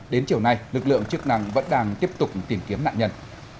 đến chiều nay lực lượng chức năng vẫn đang tiếp tục tìm kiếm nạn nhân